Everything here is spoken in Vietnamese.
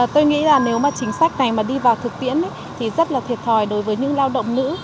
tôi nghĩ là nếu mà chính sách này mà đi vào thực tiễn thì rất là thiệt thòi đối với những lao động nữ